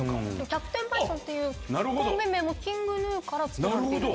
キャプテンバイソンっていうコンビ名もＫｉｎｇＧｎｕから付けられてるんですよね？